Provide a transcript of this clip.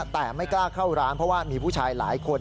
แต่ไม่กล้าเข้าร้านเพราะว่ามีผู้ชายหลายคน